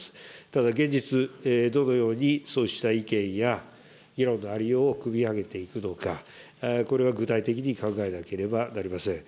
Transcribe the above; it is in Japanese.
ただ、現実、どのようにそうした意見や議論のありようを組み上げていくのか、これは具体的に考えなければなりません。